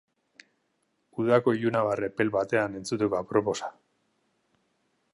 Udako ilunabar epel batean entzuteko aproposa.